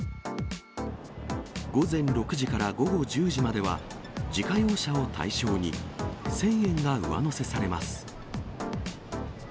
午前６時から午後１０時までは、自家用車を対象に、１０００円が上乗せされます。